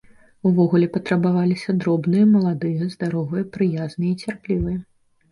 Увогуле, патрабаваліся дробныя, маладыя, здаровыя, прыязныя і цярплівыя.